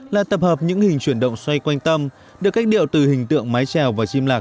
là tập hợp những hình chuyển động xoay quanh tâm được cách điệu từ hình tượng mái trèo và chim lạc